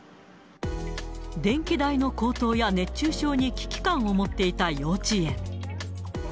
電気代の高騰や熱中症に危機感を持っていた幼稚園。